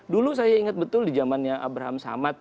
dulu saya ingat betul di zamannya abraham samad